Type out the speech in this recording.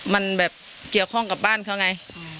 มันแบบเกี่ยวข้องกับบ้านเขาไง